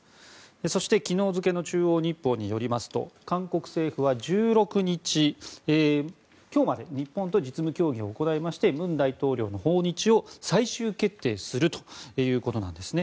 そして、昨日付の中央日報によりますと韓国政府は１６日、今日まで日本と実務協議を行いまして文大統領の訪日を最終決定するということなんですね。